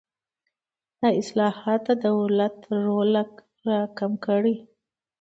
دا اصلاحات د دولت رول راکم کړي.